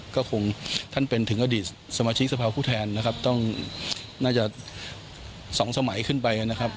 ก็คงท่านเป็นถึงอดีตสมาชิกสภาพุทธแทนน่าจะ๒สมัยขึ้นไปนะครับ